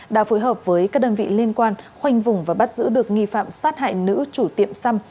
đã phối hợp với các đơn vị liên quan khoanh vùng và bắt giữ được nghi phạm sát hại nữ chủ tiệm xăm